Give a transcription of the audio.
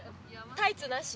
タイツなし。